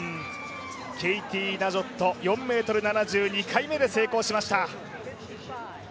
ケイティ・ナジョット、４ｍ７０２回目で成功しました。